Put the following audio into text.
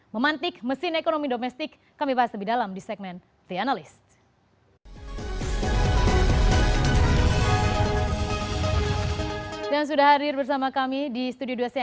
memantik mesin ekonomi domestik kami bahas lebih dalam di segmen the analyst